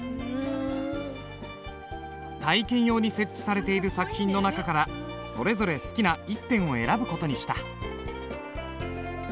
体験用に設置されている作品の中からそれぞれ好きな１点を選ぶ事にした。